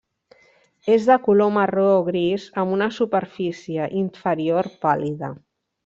És de color marró o gris amb una superfície inferior pàl·lida.